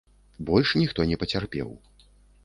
Больш ніхто не пацярпеў.